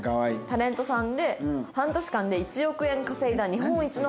タレントさんで半年間で１億円稼いだ日本一の配信者。